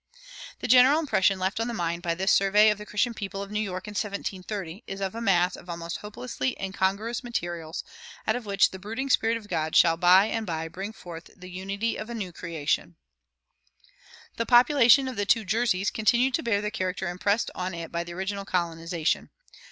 The general impression left on the mind by this survey of the Christian people of New York in 1730 is of a mass of almost hopelessly incongruous materials, out of which the brooding Spirit of God shall by and by bring forth the unity of a new creation. The population of the two Jerseys continued to bear the character impressed on it by the original colonization.